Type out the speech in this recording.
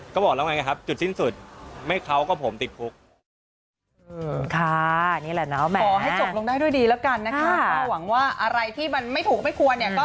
ก็บอกแล้วไงครับจุดสิ้นสุดไม่เขาก็ผมติดคุก